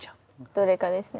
どれかですね。